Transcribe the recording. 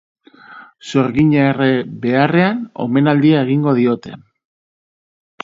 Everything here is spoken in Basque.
Sorgina erre beharrean, omenaldia egingo diote.